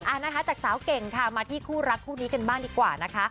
นะคะจากสาวเก่งค่ะมาที่คู่รักคู่นี้กันบ้างดีกว่านะคะ